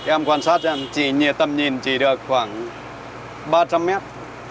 em quan sát em chỉ nhìn tầm nhìn chỉ được khoảng ba trăm linh mét